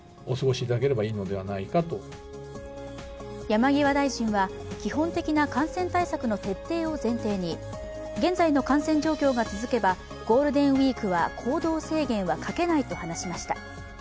山際大臣は基本的な感染対策の徹底を前提に、現在の感染状況が続けばゴールデンウイークは行動制限はかけないと話しました。